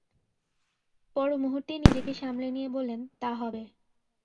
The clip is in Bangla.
পর মুহূর্তেই নিজেকে সামলে নিয়ে বললেন, তা হবে।